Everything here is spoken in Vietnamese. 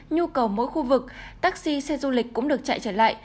nhu cầu mỗi khu vực taxi xe du lịch cũng được chạy trở lại